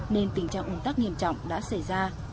nên tình trạng ung tắc nghiêm trọng đã xảy ra